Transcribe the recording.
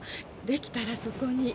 できたらそこに。